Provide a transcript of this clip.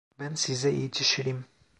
Ben size yetişirim.